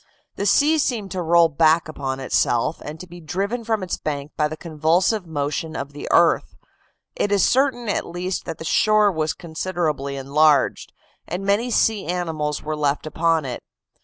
The sea seemed to roll back upon itself, and to be driven from its banks by the convulsive motion of the earth; it is certain at least that the shore was considerably enlarged, and many sea animals were left upon it.